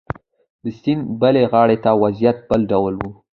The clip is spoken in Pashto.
د سیند بلې غاړې ته وضعیت بل ډول و.